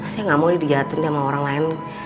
saya gak mau dia di jahatin sama orang lain